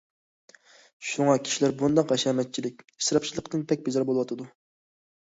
شۇڭا كىشىلەر بۇنداق ھەشەمەتچىلىك، ئىسراپچىلىقتىن بەك بىزار بولۇۋاتىدۇ.